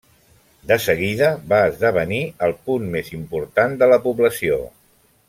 De seguida va esdevenir el punt més important de la població.